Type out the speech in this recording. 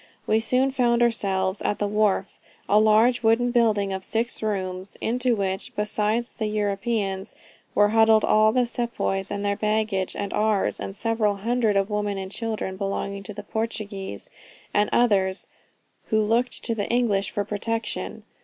We soon found ourselves at the wharf, a large wooden building of six rooms, into which, besides the Europeans, were huddled all the sepoys with their baggage and ours, and several hundreds of women and children belonging to Portuguese and others, who looked to the English for protection.